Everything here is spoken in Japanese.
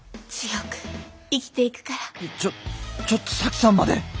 ちょちょっと沙樹さんまで！